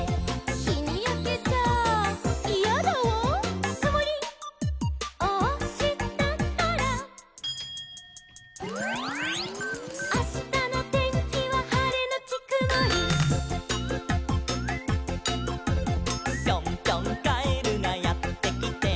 「『ひにやけちゃイヤだわ』」「くもりをおしたから」「あしたのてんきははれのちくもり」「ぴょんぴょんカエルがやってきて」